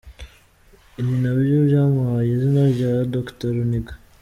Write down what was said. Ni nabyo byamuhaye izina rya Dr Runiga.